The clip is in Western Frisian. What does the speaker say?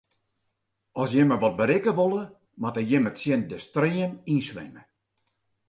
As jimme wat berikke wolle, moatte jimme tsjin de stream yn swimme.